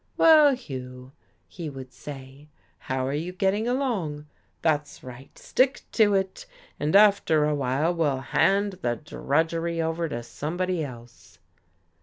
"Well, Hugh," he would say, "how are you getting along? That's right, stick to it, and after a while we'll hand the drudgery over to somebody else."